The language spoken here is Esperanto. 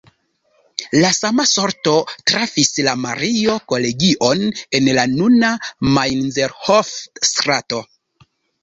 La sama sorto trafis la Mario-Kolegion en la nuna Mainzerhof-strato.